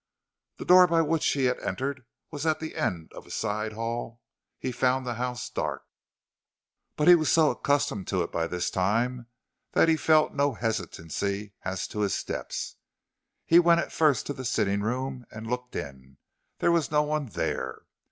The door by which he had entered was at the end of a side hall. He found the house dark, but he was so accustomed to it by this time, that he felt no hesitancy as to his steps. He went at first to the sitting room and looked in; there was no one there.